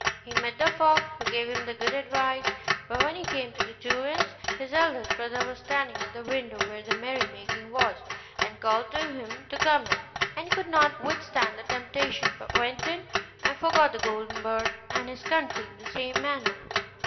He met the fox, who gave him the good advice: but when he came to the two inns, his eldest brother was standing at the window where the merrymaking was, and called to him to come in; and he could not withstand the temptation, but went in, and forgot the golden bird and his country in the same manner.